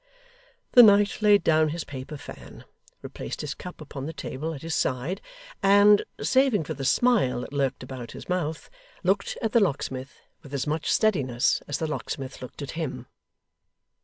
The knight laid down his paper fan, replaced his cup upon the table at his side, and, saving for the smile that lurked about his mouth, looked at the locksmith with as much steadiness as the locksmith looked at him.